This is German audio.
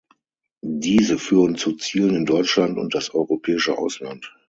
Diese führen zu Zielen in Deutschland und das europäische Ausland.